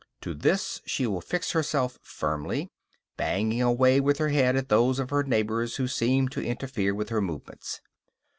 To this she will fix herself firmly, banging away with her head at those of her neighbors who seem to interfere with her movements.